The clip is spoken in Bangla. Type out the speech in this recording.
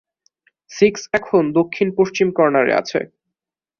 সিক্স এখন দক্ষিণ-পশ্চিম কর্ণারে আছে।